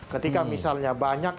ketika misalnya banyak